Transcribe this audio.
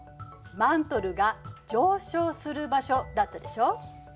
マントルが上昇する場所だったでしょ。